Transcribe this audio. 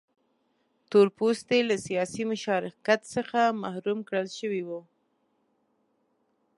تور پوستي له سیاسي مشارکت څخه محروم کړل شوي وو.